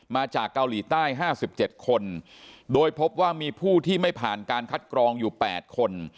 มาจากเกาหลีใต้๕๗คนโดยพบว่ามีผู้ที่ไม่ผ่านการคัดกรองอยู่๘คน